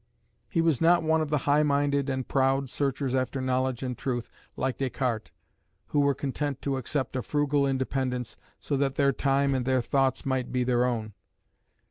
He was not one of the high minded and proud searchers after knowledge and truth, like Descartes, who were content to accept a frugal independence so that their time and their thoughts might be their own.